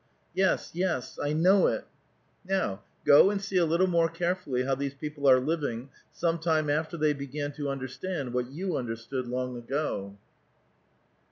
"Yes, yes, I know it." " Now go and see a little more carefully how these peo ple are living some time after they began to understand what you understood long ago."